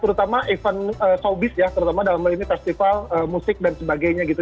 terutama event showbiz ya terutama dalam hal ini festival musik dan sebagainya gitu